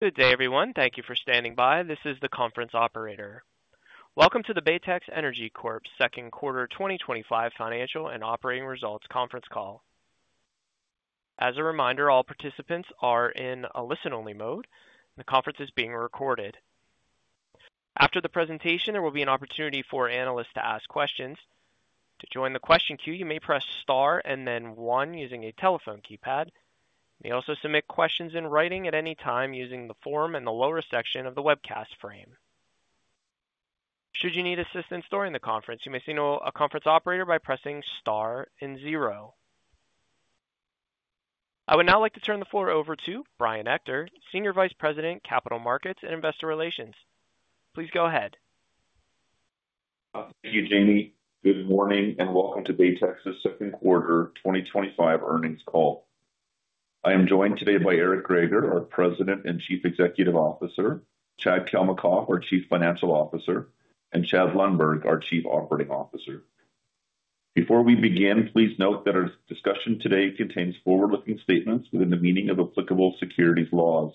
Good day, everyone. Thank you for standing by. This is the conference operator. Welcome to the Baytex Energy Corp second quarter 2025 financial and operating results conference call. As a reminder, all participants are in a listen-only mode, and the conference is being recorded. After the presentation, there will be an opportunity for analysts to ask questions. To join the question queue, you may press star and then one using a telephone keypad. You may also submit questions in writing at any time using the form in the lower section of the webcast frame. Should you need assistance during the conference, you may signal a conference operator by pressing star and zero. I would now like to turn the floor over to Brian Ector, Senior Vice President, Capital Markets, Investor Relations. Please go ahead. Thank you, Jamie. Good morning and welcome to Baytex's second quarter 2025 earnings call. I am joined today by Eric Greager, our President and Chief Executive Officer, Chad Kalmakoff, our Chief Financial Officer, and Chad Lundberg, our Chief Operating Officer. Before we begin, please note that our discussion today contains forward-looking statements within the meaning of applicable securities laws.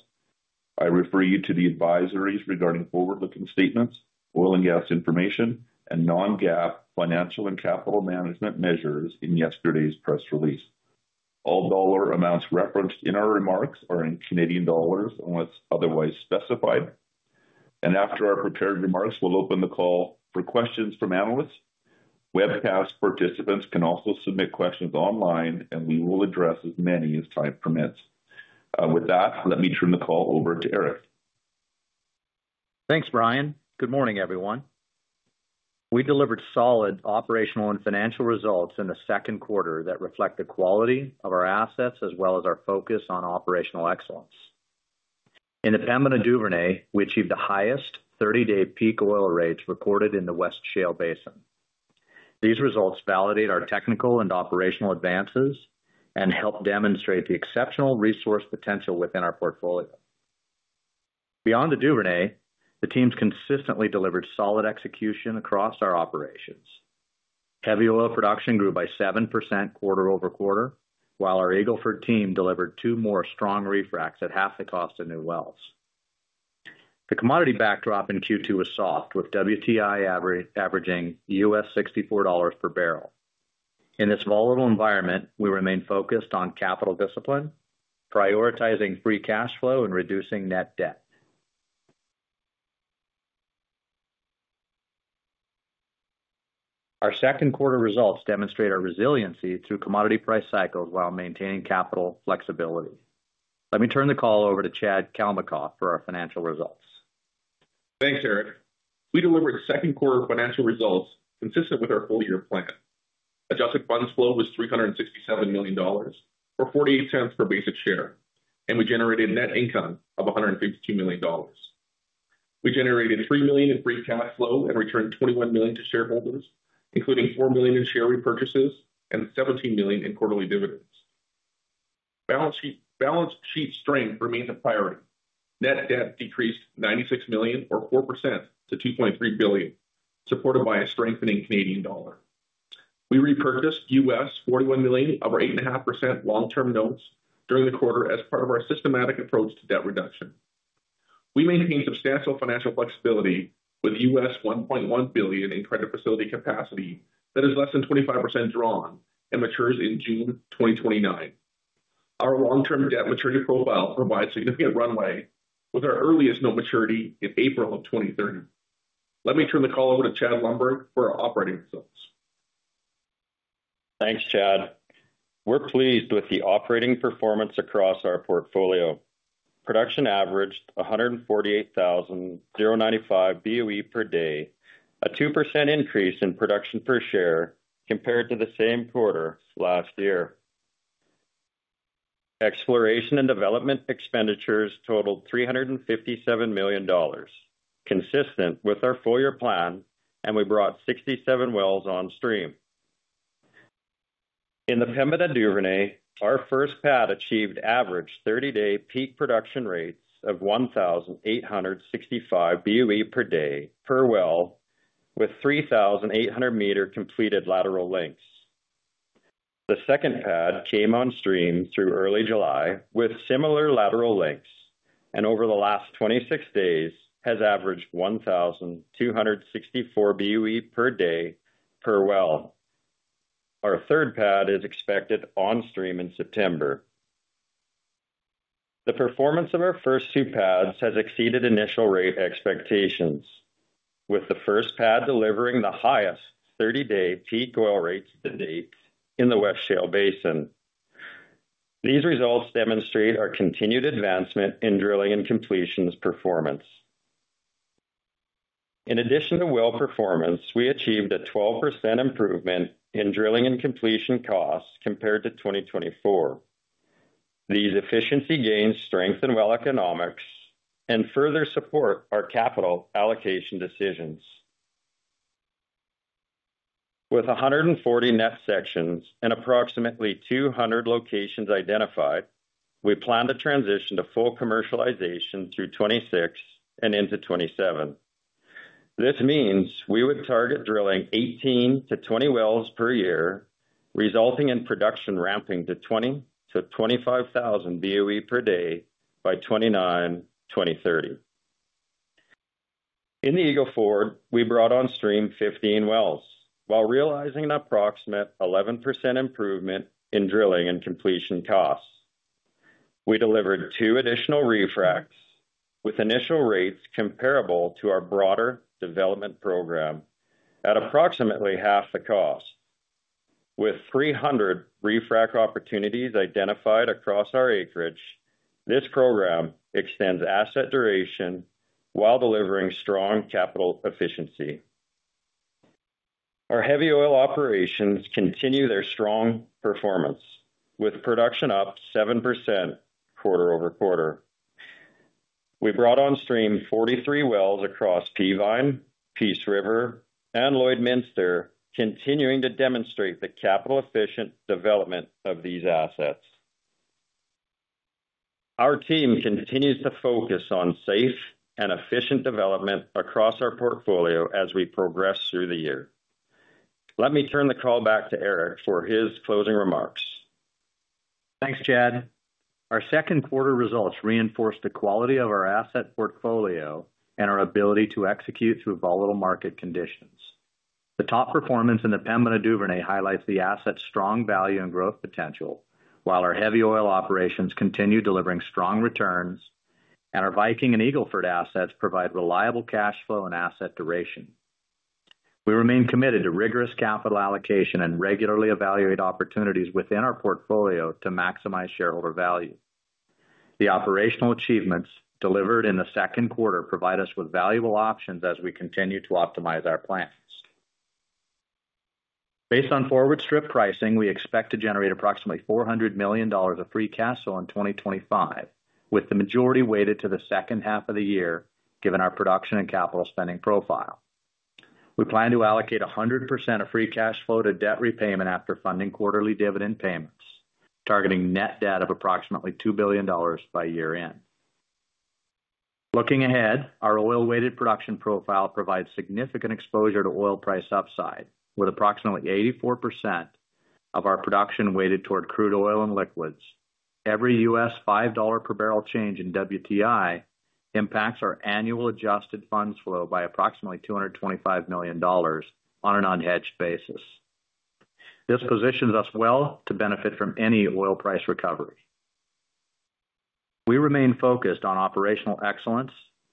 I refer you to the advisories regarding forward-looking statements, oil and gas information, and non-GAAP financial and capital management measures in yesterday's press release. All dollar amounts referenced in our remarks are in Canadian dollars unless otherwise specified. After our prepared remarks, we'll open the call for questions from analysts. Webcast participants can also submit questions online, and we will address as many as time permits. With that, let me turn the call over to Eric. Thanks, Brian. Good morning, everyone. We delivered solid operational and financial results in the second quarter that reflect the quality of our assets as well as our focus on operational excellence. In the Pembina Duvernay, we achieved the highest 30-day peak oil rates recorded in the West Shale Basin. These results validate our technical and operational advances and help demonstrate the exceptional resource potential within our portfolio. Beyond the Duvernay, the teams consistently delivered solid execution across our operations. Heavy oil production grew by 7% quarter-over-quarter, while our Eagle Ford team delivered two more strong refracs at half the cost of new wells. The commodity backdrop in Q2 was soft, with WTI averaging $64 per barrel. In this volatile environment, we remain focused on capital discipline, prioritizing free cash flow and reducing net debt. Our second quarter results demonstrate our resiliency through commodity price cycles while maintaining capital flexibility. Let me turn the call over to Chad Kalmakoff for our financial results. Thanks, Eric. We delivered second quarter financial results consistent with our full-year plan. Adjusted funds flow was $367 million, or $0.48 per basic share, and we generated net income of $152 million. We generated $3 million in free cash flow and returned $21 million to shareholders, including $4 million in share repurchases and $17 million in quarterly dividends. Balance sheet strength remains a priority. Net debt decreased $96 million, or 4%, to $2.3 billion, supported by a strengthening Canadian dollar. We repurchased $41 million of our 8.5% long-term notes during the quarter as part of our systematic approach to debt reduction. We maintain substantial financial flexibility with $1.1 billion in credit facility capacity that is less than 25% drawn and matures in June 2029. Our long-term debt maturity profile provides significant runway, with our earliest note maturity in April of 2030. Let me turn the call over to Chad Lundberg for our operating results. Thanks, Chad. We're pleased with the operating performance across our portfolio. Production averaged 148,095 BOE per day, a 2% increase in production per share compared to the same quarter last year. Exploration and development expenditures totaled $357 million, consistent with our full-year plan, and we brought 67 wells on stream. In the Pembina Duvernay, our first pad achieved average 30-day peak production rates of 1,865 BOE per day per well, with 3,800 m completed lateral lengths. The second pad came on stream through early July with similar lateral lengths, and over the last 26 days has averaged 1,264 BOE per day per well. Our third pad is expected on stream in September. The performance of our first two pads has exceeded initial rate expectations, with the first pad delivering the highest 30-day peak oil rates to date in the West Shale Basin. These results demonstrate our continued advancement in drilling and completions performance. In addition to well performance, we achieved a 12% improvement in drilling and completion costs compared to 2024. These efficiency gains strengthen well economics and further support our capital allocation decisions. With 140 net sections and approximately 200 locations identified, we plan to transition to full commercialization through 2026 and into 2027. This means we would target drilling 18 to 20 wells per year, resulting in production ramping to 20,000-25,000 BOE per day by 2029 to 2030. In the Eagle Ford, we brought on stream 15 wells, while realizing an approximate 11% improvement in drilling and completion costs. We delivered two additional refracs with initial rates comparable to our broader development program at approximately half the cost. With 300 refrac opportunities identified across our acreage, this program extends asset duration while delivering strong capital efficiency. Our heavy oil operations continue their strong performance, with production up 7% quarter-over-quarter. We brought on stream 43 wells across Peavine, Peace River, and Lloydminster, continuing to demonstrate the capital-efficient development of these assets. Our team continues to focus on safe and efficient development across our portfolio as we progress through the year. Let me turn the call back to Eric for his closing remarks. Thanks, Chad. Our second quarter results reinforced the quality of our asset portfolio and our ability to execute through volatile market conditions. The top performance in the Pembina Duvernay highlights the asset's strong value and growth potential, while our heavy oil operations continue delivering strong returns, and our Viking and Eagle Ford assets provide reliable cash flow and asset duration. We remain committed to rigorous capital allocation and regularly evaluate opportunities within our portfolio to maximize shareholder value. The operational achievements delivered in the second quarter provide us with valuable options as we continue to optimize our plans. Based on forward strip pricing, we expect to generate approximately $400 million of free cash flow in 2025, with the majority weighted to the second half of the year, given our production and capital spending profile. We plan to allocate 100% of free cash flow to debt repayment after funding quarterly dividend payments, targeting net debt of approximately $2 billion by year-end. Looking ahead, our oil-weighted production profile provides significant exposure to oil price upside, with approximately 84% of our production weighted toward crude oil and liquids. Every $5 per barrel change in WTI impacts our annual adjusted funds flow by approximately $225 million on an unhedged basis. This positions us well to benefit from any oil price recovery. We remain focused on operational excellence,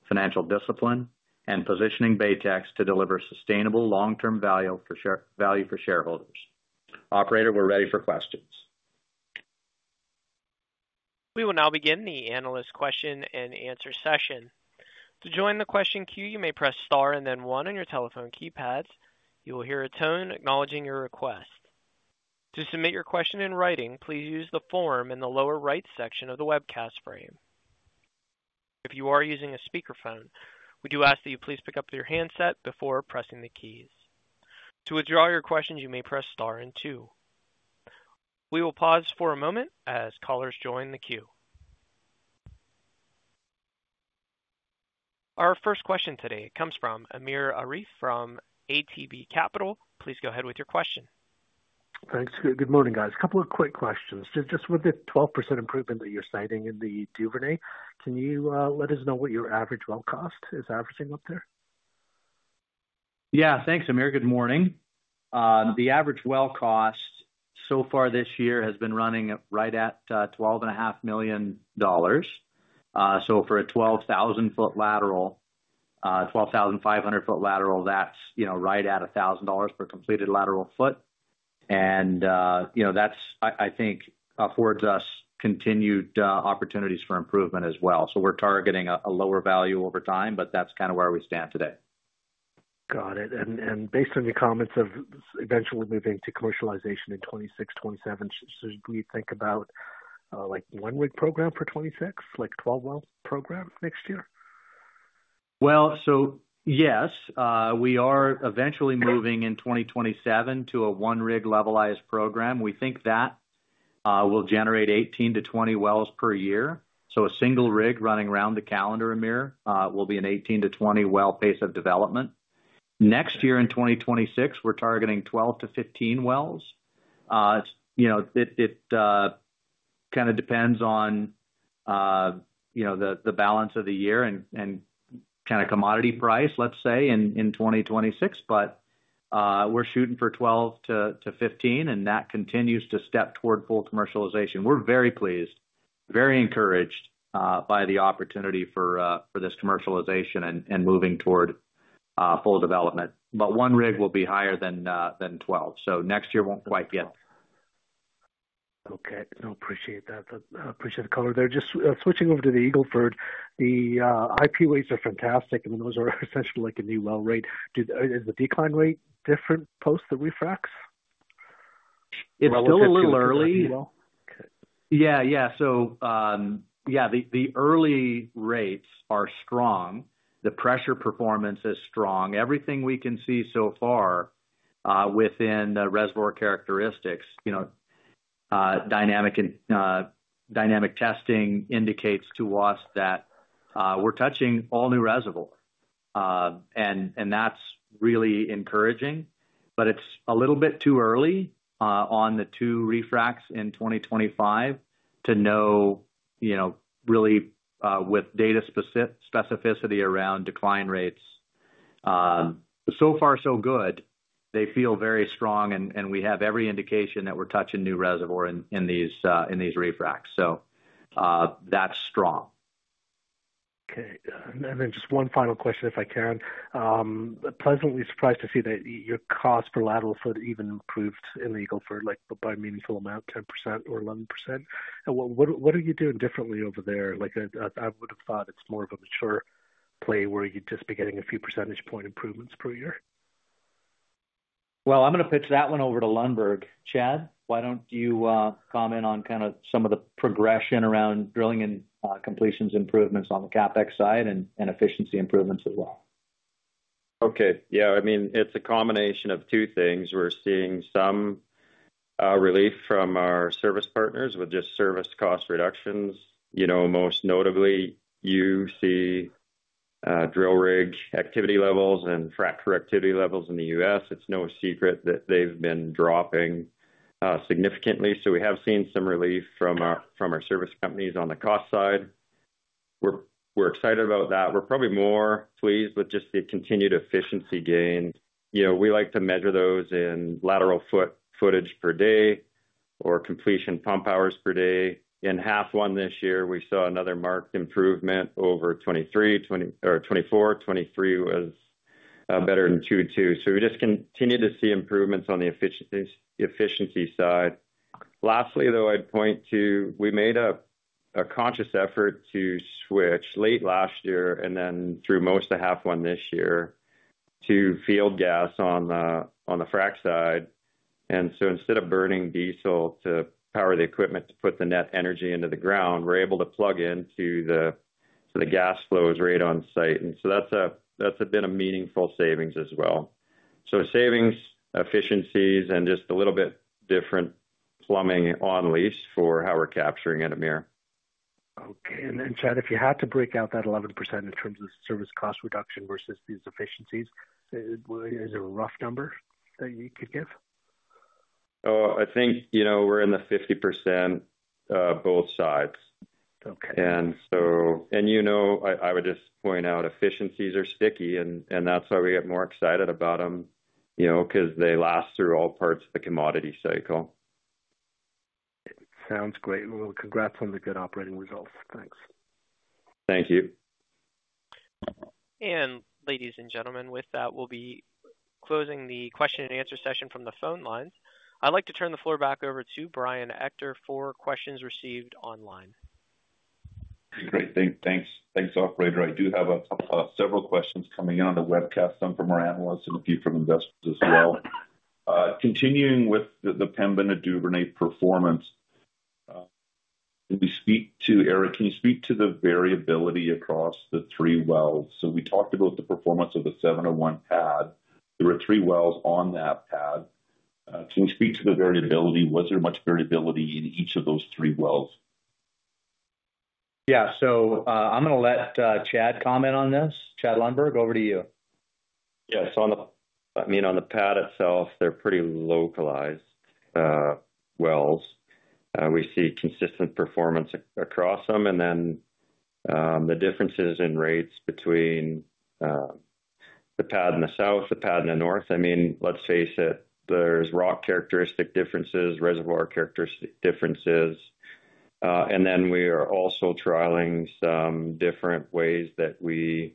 financial discipline, and positioning Baytex to deliver sustainable long-term value for shareholders. Operator, we're ready for questions. We will now begin the analyst question and answer session. To join the question queue, you may press star and then one on your telephone keypad. You will hear a tone acknowledging your request. To submit your question in writing, please use the form in the lower right section of the webcast frame. If you are using a speakerphone, we do ask that you please pick up your handset before pressing the keys. To withdraw your questions, you may press star and two. We will pause for a moment as callers join the queue. Our first question today comes from Amir Arif from ATB Capital. Please go ahead with your question. Thanks. Good morning, guys. A couple of quick questions. Just with the 12% improvement that you're citing in the Duvernay, can you let us know what your average well cost is averaging up there? Yeah, thanks, Amir. Good morning. The average well cost so far this year has been running right at $12.5 million. For a 12,000-ft lateral, 12,500-ft lateral, that's right at $1,000 per completed lateral foot. I think that affords us continued opportunities for improvement as well. We're targeting a lower value over time, but that's kind of where we stand today. Got it. Based on your comments of eventually moving to commercialization in 2026, 2027, should we think about like a one-rig program for 2026, like a 12-well program next year? Yes, we are eventually moving in 2027 to a one-rig levelized program. We think that will generate 18 to 20 wells per year. A single rig running around the calendar, Amir, will be an 18 to 20 well pace of development. Next year in 2026, we're targeting 12 to 15 wells. It kind of depends on the balance of the year and commodity price, let's say, in 2026. We're shooting for 12 to 15, and that continues to step toward full commercialization. We're very pleased, very encouraged by the opportunity for this commercialization and moving toward full development. One rig will be higher than 12. Next year won't quite yet. Okay. I appreciate that. I appreciate the call right there. Just switching over to the Eagle Ford, the IP weights are fantastic, and those are essentially like a new well rate. Is the decline rate different post the refracs? It's still a little early. Yeah, yeah. The early rates are strong. The pressure performance is strong. Everything we can see so far within the reservoir characteristics, you know, dynamic testing indicates to us that we're touching all new reservoir. That's really encouraging. It's a little bit too early on the two refracs in 2025 to know, you know, really with data specificity around decline rates. So far, so good. They feel very strong, and we have every indication that we're touching new reservoir in these refracs. That's strong. Okay. One final question, if I can. I'm pleasantly surprised to see that your cost per lateral foot even improved in the Eagle Ford, like by a meaningful amount, 10% or 11%. What are you doing differently over there? I would have thought it's more of a mature play where you'd just be getting a few percentage point improvements per year. I'm going to pitch that one over to Lundberg. Chad, why don't you comment on kind of some of the progression around drilling and completions improvements on the CapEx side and efficiency improvements as well? Okay. Yeah, I mean, it's a combination of two things. We're seeing some relief from our service partners with just service cost reductions. You know, most notably, you see drill rig activity levels and fracture activity levels in the U.S. It's no secret that they've been dropping significantly. We have seen some relief from our service companies on the cost side. We're excited about that. We're probably more pleased with just the continued efficiency gain. You know, we like to measure those in lateral foot footage per day or completion pump hours per day. In half one this year, we saw another marked improvement over 2023. 2024, 2023 was better than 2022. We just continue to see improvements on the efficiency side. Lastly, though, I'd point to we made a conscious effort to switch late last year and then through most of half one this year to field gas for fracking on the frac side. Instead of burning diesel to power the equipment to put the net energy into the ground, we're able to plug into the gas flow right on site. That's a bit of meaningful savings as well. Savings, efficiencies, and just a little bit different plumbing on lease for how we're capturing it, Amir. Okay. Chad, if you had to break out that 11% in terms of the service cost reduction versus these efficiencies, is it a rough number that you could give? I think, you know, we're in the 50% both sides. Okay. I would just point out efficiencies are sticky, and that's why we get more excited about them, you know, because they last through all parts of the commodity cycle. Sounds great. Congrats on the good operating results. Thanks. Thank you. Ladies and gentlemen, with that, we'll be closing the question and answer session from the phone lines. I'd like to turn the floor back over to Brian Ector for questions received online. Great. Thanks. Thanks, operator. I do have several questions coming out of the webcast, some from our analysts and a few from investors as well. Continuing with the Pembina Duvernay performance, can you speak to, Eric, can you speak to the variability across the three wells? We talked about the performance of the 701 pad. There were three wells on that pad. Can you speak to the variability? Was there much variability in each of those three wells? Yeah, I'm going to let Chad comment on this. Chad Lundberg, over to you. Yes. I mean, on the pad itself, they're pretty localized wells. We see consistent performance across them. The differences in rates between the pad in the south, the pad in the north, I mean, let's face it, there's rock characteristic differences, reservoir characteristic differences. We are also trialing some different ways that we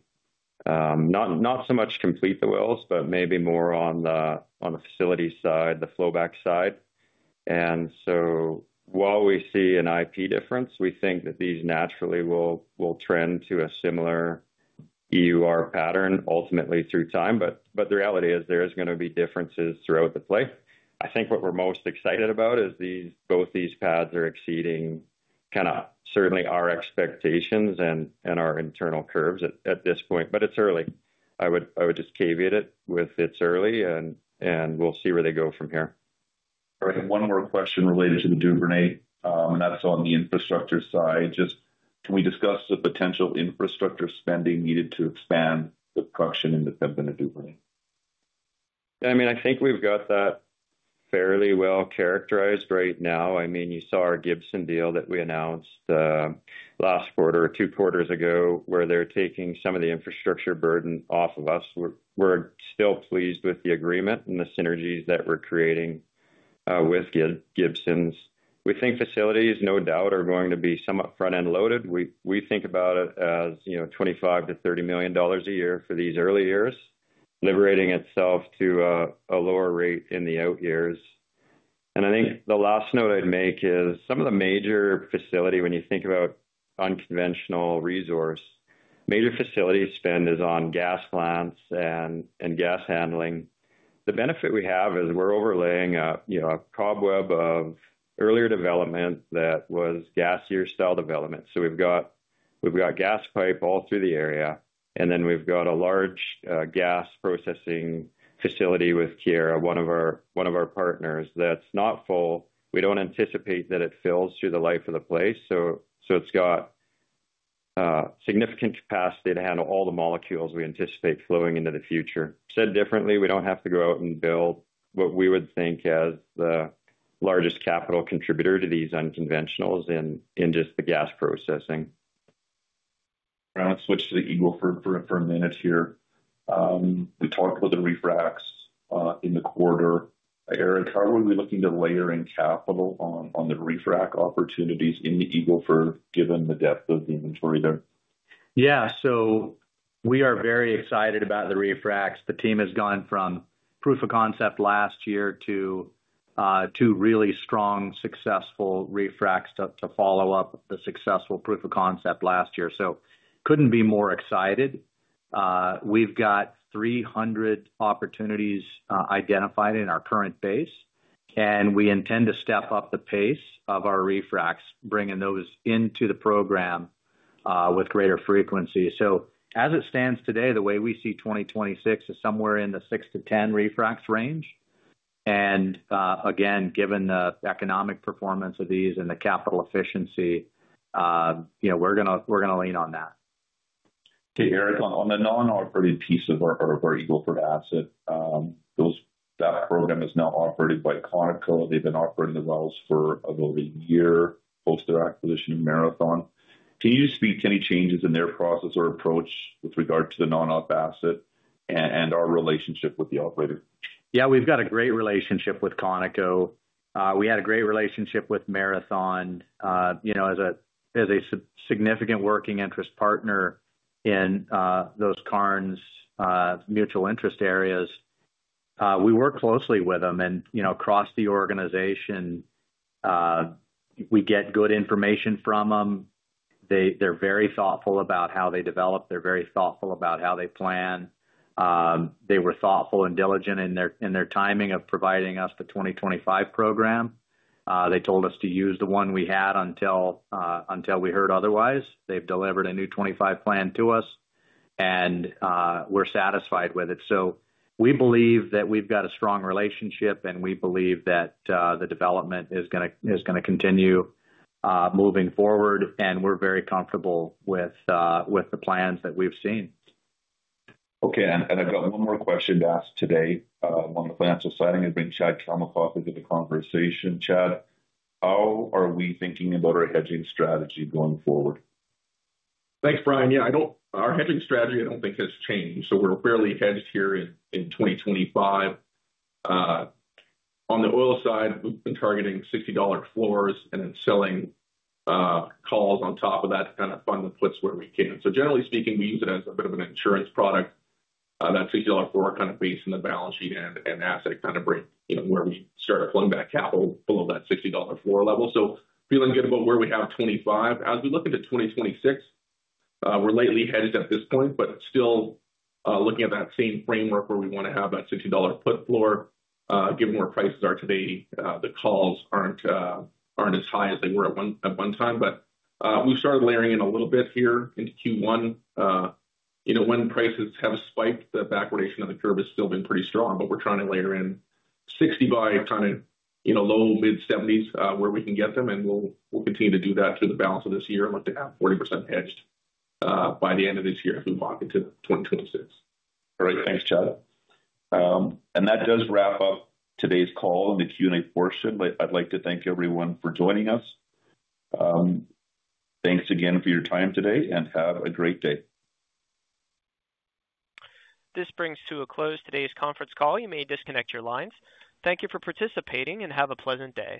not so much complete the wells, but maybe more on the facility side, the flowback side. While we see an IP difference, we think that these naturally will trend to a similar EUR pattern ultimately through time. The reality is there are going to be differences throughout the play. I think what we're most excited about is both these pads are exceeding certainly our expectations and our internal curves at this point. It's early. I would just caveat it with it's early, and we'll see where they go from here. All right. One more question related to the Duvernay, and that's on the infrastructure side. Can we discuss the potential infrastructure spending needed to expand the production in the Pembina Duvernay? Yeah, I mean, I think we've got that fairly well characterized right now. You saw our Gibson deal that we announced last quarter, two quarters ago, where they're taking some of the infrastructure burden off of us. We're still pleased with the agreement and the synergies that we're creating with Gibson. We think facilities, no doubt, are going to be somewhat front-end loaded. We think about it as $25 million-$30 million a year for these early years, liberating itself to a lower rate in the out years. I think the last note I'd make is some of the major facilities, when you think about unconventional resource, major facility spend is on gas plants and gas handling. The benefit we have is we're overlaying a cobweb of earlier development that was gasier style development. We've got gas pipe all through the area, and then we've got a large gas processing facility with Keyera, one of our partners, that's not full. We don't anticipate that it fills through the life of the place. It's got significant capacity to handle all the molecules we anticipate flowing into the future. Said differently, we don't have to go out and build what we would think as the largest capital contributor to these unconventionals in just the gas processing. I'll switch to the Eagle Ford for a minute here. We talked about the refracs in the quarter. Eric, how are we looking to layer in capital on the refrac opportunities in the Eagle Ford given the depth of the inventory there? Yeah, we are very excited about the refracs. The team has gone from proof of concept last year to really strong, successful refracs to follow up the successful proof of concept last year. Couldn't be more excited. We've got 300 opportunities identified in our current base, and we intend to step up the pace of our refracs, bringing those into the program with greater frequency. As it stands today, the way we see 2026 is somewhere in the six to 10 refracs range. Given the economic performance of these and the capital efficiency, you know, we're going to lean on that. Hey, Eric, on the non-operated piece of our Eagle Ford asset, that program is now operated by [Conoco]. They've been operating the wells for about a year post their acquisition of Marathon. Can you speak to any changes in their process or approach with regard to the non-op asset and our relationship with the operator? Yeah, we've got a great relationship with Conoco. We had a great relationship with Marathon, you know, as a significant working interest partner in those Con's mutual interest areas. We work closely with them, and you know, across the organization, we get good information from them. They're very thoughtful about how they develop. They're very thoughtful about how they plan. They were thoughtful and diligent in their timing of providing us the 2025 program. They told us to use the one we had until we heard otherwise. They've delivered a new 2025 plan to us, and we're satisfied with it. We believe that we've got a strong relationship, and we believe that the development is going to continue moving forward, and we're very comfortable with the plans that we've seen. Okay. I've got one more question to ask today. One of the plans we're citing has been Chad Kalmakoff, who did the conversation. Chad, how are we thinking about our hedging strategy going forward? Thanks, Brian. I don't think our hedging strategy has changed. We're barely hedged here in 2025. On the oil side, we've been targeting $60 floors and then selling calls on top of that to kind of fund the puts where we can. Generally speaking, we use it as a bit of an insurance product. That $60 floor is kind of based on the balance sheet and asset, kind of bringing where we started flowing back capital below that $60 floor level. Feeling good about where we have 2025. As we look into 2026, we're lightly hedged at this point, still looking at that same framework where we want to have that $60 put floor. Given where prices are today, the calls aren't as high as they were at one time. We've started layering in a little bit here into Q1. When prices have spiked, the backwardation of the curve has still been pretty strong. We're trying to layer in $60 buys, trying to get low to mid-$70s where we can get them, and we'll continue to do that through the balance of this year and look to have 40% hedged by the end of this year as we move into 2026. All right. Thanks, Chad. That does wrap up today's call on the Q&A portion. I'd like to thank everyone for joining us. Thanks again for your time today and have a great day. This brings to a close today's conference call. You may disconnect your lines. Thank you for participating and have a pleasant day.